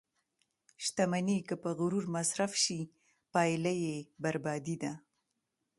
• شتمني که په غرور مصرف شي، پایله یې بربادي ده.